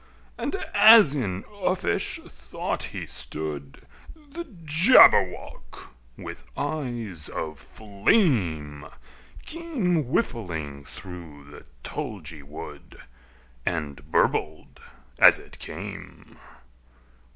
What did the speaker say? And as in uffish thought he stood, The Jabberwock, with eyes of flame, Came whiffling through the tulgey wood, And burbled as it came!